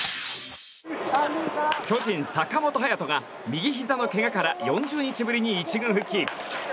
巨人、坂本勇人が右ひざのけがから４０日ぶりに１軍復帰。